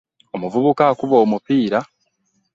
Omuvubuka akuba omupiira.